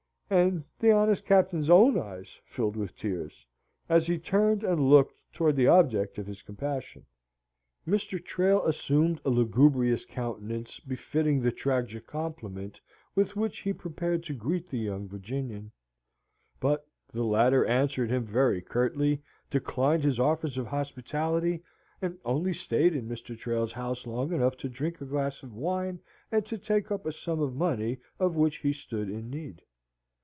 And the honest Captain's own eyes filled with tears, as he turned and looked towards the object of his compassion. Mr. Trail assumed a lugubrious countenance befitting the tragic compliment with which he prepared to greet the young Virginian; but the latter answered him very curtly, declined his offers of hospitality, and only stayed in Mr. Trail's house long enough to drink a glass of wine and to take up a sum of money of which he stood in need.